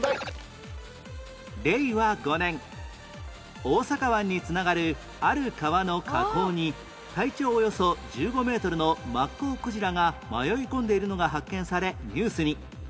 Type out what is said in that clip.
令和５年大阪湾に繋がるある川の河口に体長およそ１５メートルのマッコウクジラが迷い込んでいるのが発見されニュースに